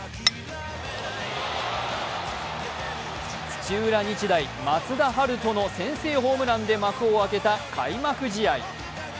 土浦日大、松田陽斗の先制ホームランで幕を開けた開幕試合。